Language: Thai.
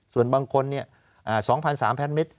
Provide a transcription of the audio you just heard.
ส่วนบางคนเนี่ย๒๓๐๐แพทเมตร